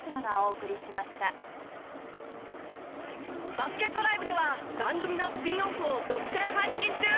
バスケットＬＩＶＥでは番組のスピンオフを独占配信中！